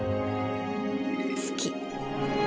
好き。